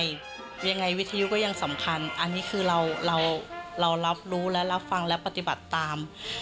ยังไงวิทยุก็ยังสำคัญอันนี้คือเราเรารับรู้และรับฟังและปฏิบัติตาม